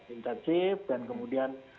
intensif dan kemudian